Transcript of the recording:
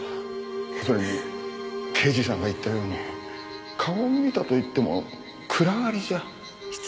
それに刑事さんが言ったように顔を見たといっても暗がりじゃ。